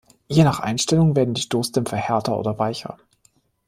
Je nach Einstellung werden die Stoßdämpfer härter oder weicher.